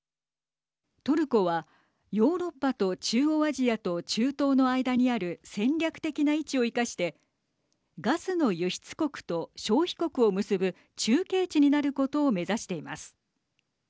トルコはヨーロッパと中央アジアと中東の間にある戦略的な位置を生かしてガスの輸出国と消費国を結ぶ中継地になることを目指しています。